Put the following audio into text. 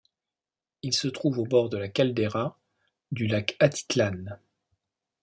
Il se trouve au bord de la caldeira du lac Atitlán.